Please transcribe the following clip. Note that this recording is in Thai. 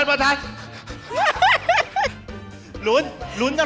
ได้แล้วไปเลย